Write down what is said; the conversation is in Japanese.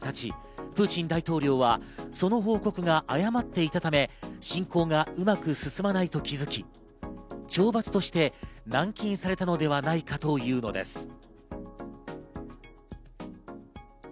しかし、侵攻から２週間が経ち、プーチン大統領はその報告が誤っていたため、侵攻がうまく進まないと気づき懲罰として軟禁されたのではないかというのです。